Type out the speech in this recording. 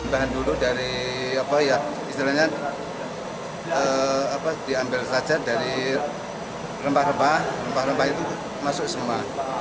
bahan dulu dari apa ya istilahnya diambil saja dari rempah rempah rempah rempah itu masuk semua